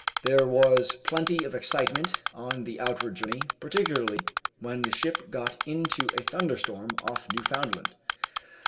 There was plenty of excitement on the outward journey, particularly when the ship got into a thunderstorm off Newfoundland.